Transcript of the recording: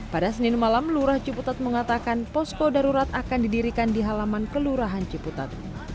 pada senin malam lurah ciputat mengatakan posko darurat akan didirikan di halaman kelurahan ciputat